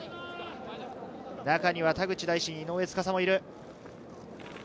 中には田口大慎、井上斗嵩もいる。